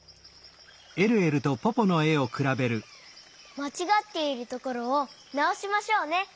まちがっているところをなおしましょうね。